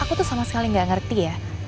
aku tuh sama sekali nggak ngerti ya